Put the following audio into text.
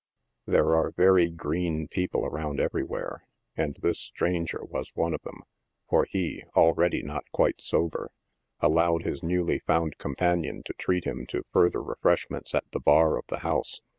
There are very green people around everywhere, and this stranger was one of them, for he, already not quite sober, allowed his new found companion to treat him to further refreshments at the bar of the house.